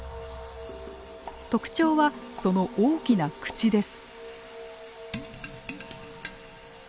特徴はその大きな口です。